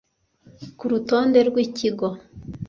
ku rutonde rw ikigo